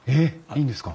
いいんですか？